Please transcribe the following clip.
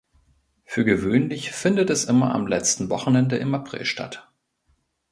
Für gewöhnlich findet es immer am letzten Wochenende im April statt.